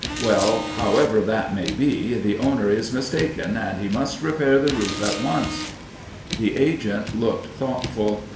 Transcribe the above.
"Well, however that may be, the owner is mistaken, and he must repair the roof at once." The agent looked thoughtful.